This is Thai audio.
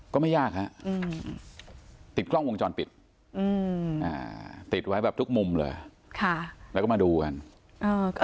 ก็ไม่ยากอะอืมติดกล้องวงจรปิดอืมอ่าติดไว้แบบทุกมุมเลยค่ะแล้วก็มาดูกันเออ